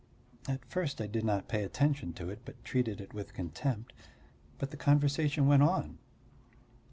At first I did not pay attention to it, but treated it with contempt. But the conversation went on.